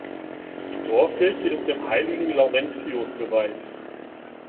Die Dorfkirche ist dem heiligen Laurentius geweiht.